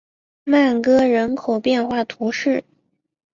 曼戈人口变化图示